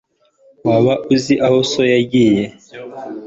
waba uzi aho so yagiye